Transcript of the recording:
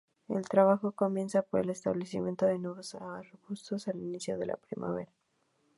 El trabajo comienza por el establecimiento de nuevos arbustos al inicio de la primavera.